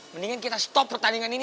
mendingan kita stop pertandingan ini